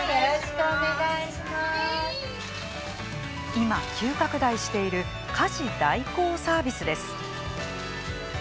今、急拡大している家事代行サービスです。